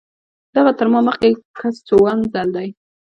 دغه تر ما مخکې کس څووم ځل دی.